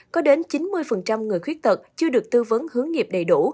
có đến chín mươi người khuyết tật chưa được tư vấn hướng nghiệp đầy đủ